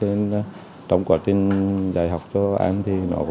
nên trong quá trình dạy học cho em thì nó cũng khá dễ dàng nó thuận lợi